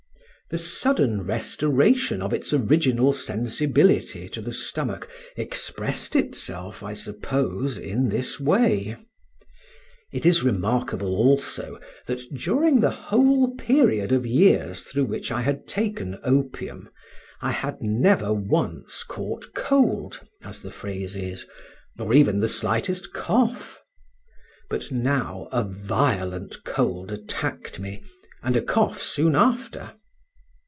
The sudden restoration of its original sensibility to the stomach expressed itself, I suppose, in this way. It is remarkable also that during the whole period of years through which I had taken opium I had never once caught cold (as the phrase is), nor even the slightest cough. But now a violent cold attacked me, and a cough soon after.